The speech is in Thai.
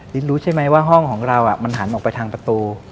รู้ใช่ไหมว่าห้องของเรามันหันออกไปทางประตู